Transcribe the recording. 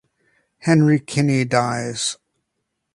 Henry Kinney dies.